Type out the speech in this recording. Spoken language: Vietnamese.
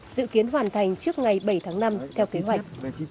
dự kiến hoàn thành trước ngày bảy tháng năm theo kế hoạch